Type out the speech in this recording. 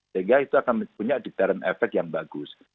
sehingga itu akan punya deterrent effect yang bagus